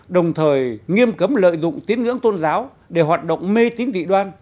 đồng thời nghiêm cấm lợi dụng tiếng ngưỡng tôn giáo để hoạt động mê tín dị đoan